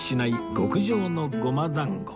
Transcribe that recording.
極上の胡麻団子